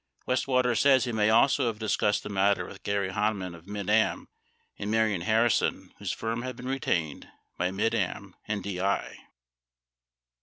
Westwater says he may also have discussed the matter with Gary Hanman of Mid Am and Marion Harrison, whose firm had been retained by Mid Am and DI.